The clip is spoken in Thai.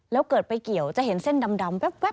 แล้วเกิดไปเกี่ยวจะเห็นเส้นดำแว๊บ